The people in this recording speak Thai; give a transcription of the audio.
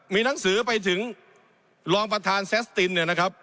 มีหนังสือไปถึงรองประธานแซสตินเนี่ยนะครับ